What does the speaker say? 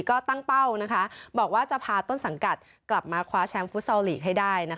ก็ตั้งเป้าบอกว่าจะพาต้นสังกัดกลับมาคว้าแชมป์ฟุตซอลลีกให้ได้